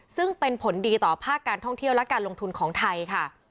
ซึ่งเป็นผลดีต่อภาคการท่องเที่ยวและการลงทุนของไทยค่ะ